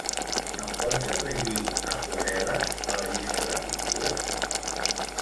Em pots afegir aquarel·les a la llista de pintures?